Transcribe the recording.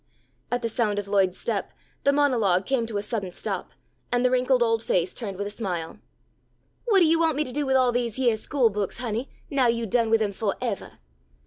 At the sound of Lloyd's step the monologue came to a sudden stop, and the wrinkled old face turned with a smile. "What you want me to do with all these yeah school books, honey, now you done with 'em fo' evah?"